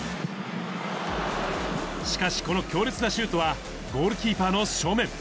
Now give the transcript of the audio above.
しかし、この強烈なシュートはゴールキーパーの正面。